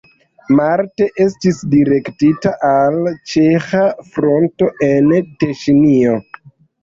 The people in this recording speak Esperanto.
Marte estis direktita al ĉeĥa fronto en Teŝinio.